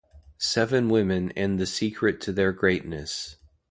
Seven Women And The Secret To Their Greatness.